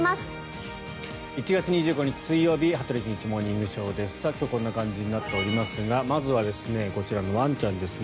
１月２５日、水曜日「羽鳥慎一モーニングショー」。今日はこんな感じになっておりますがまずはこちらのワンちゃんですね。